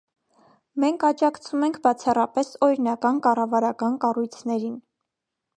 Մենք աջակցում ենք բացառապես օրինական կառավարական կառույցներին։